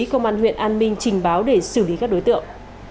công an huyện an minh trình báo để xử lý các đối tượng